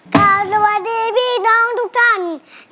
การอุดวัดดิบี่น้องทุกท่าน